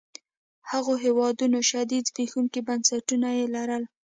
هغو هېوادونو شدید زبېښونکي بنسټونه يې لرل.